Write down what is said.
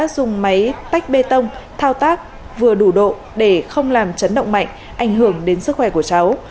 dùng máy tách bê tông thao tác vừa đủ độ để không làm chấn động mạnh ảnh hưởng đến sức khỏe của cháu